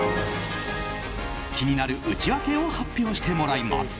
気になる内訳を発表してもらいます。